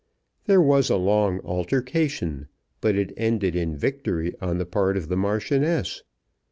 There was a long altercation, but it ended in victory on the part of the Marchioness.